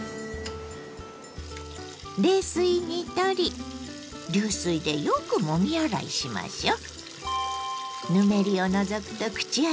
冷水にとり流水でよくもみ洗いしましょう。